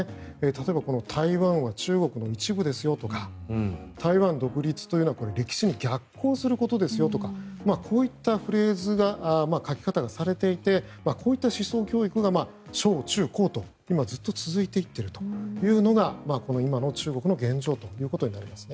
例えば台湾は中国の一部ですよとか台湾独立というのは歴史に逆行することですよとかこういったフレーズが書き方がされていてこういった思想教育が小中高と今、ずっと続いていってるというのが今の中国の現状ということです。